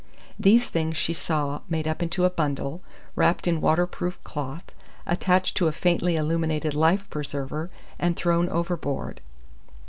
These things she saw made up into a bundle, wrapped in waterproof cloth, attached to a faintly illuminated life preserver, and thrown overboard.